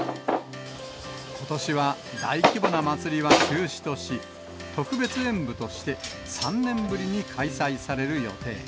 ことしは大規模な祭りは中止とし、特別演舞として、３年ぶりに開催される予定。